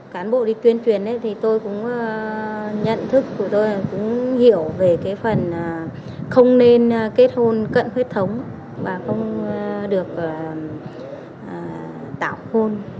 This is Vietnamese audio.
cán bộ đi tuyên truyền thì tôi cũng nhận thức của tôi cũng hiểu về cái phần không nên kết hôn cận huyết thống và không được tạo khôn